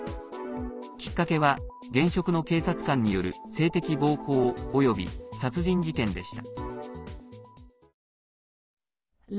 きっかけは現職の警察官による性的暴行および殺人事件でした。